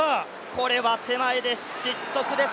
これは手前で失速です。